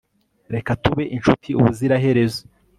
reka tube inshuti ubuziraherezo